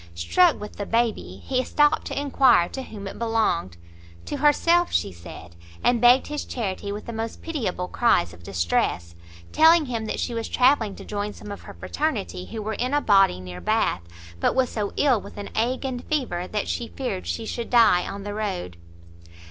Struck with the baby, he stopt to enquire to whom it belonged; to herself, she said, and begged his charity with the most pitiable cries of distress; telling him that she was travelling to join some of her fraternity, who were in a body near Bath, but was so ill with an ague and fever that she feared she should die on the road.